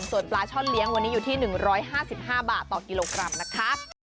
ส่วนปลาช่อนเลี้ยงวันนี้อยู่ที่๑๕๕บาทต่อกิโลกรัมนะคะ